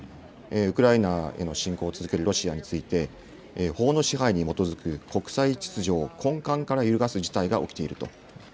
ウクライナへの侵攻を続けるロシアについて、法の支配に基づく国際秩序を根幹から揺るがす事態が起きていると。